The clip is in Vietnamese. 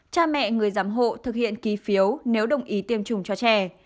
cha mẹ người giám hộ thực hiện ký phiếu nếu đồng ý tiêm chủng cho trẻ